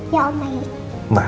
ya om baik